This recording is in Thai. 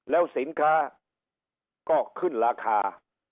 แล้วสินค้าก็ขึ้นราคา